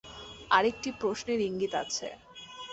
আর একটি প্রশ্নের ইঙ্গিত আছে।